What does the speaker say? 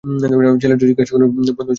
ছেলেটি জিজ্ঞাসা করিল, বন্ধুর ছবি?